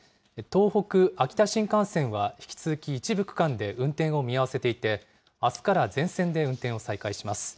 東北・秋田新幹線は引き続き一部区間で運転を見合わせていて、あすから全線で運転を再開します。